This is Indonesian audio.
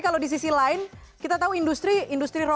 kalau di sisi lain kita tahu industri industri rokok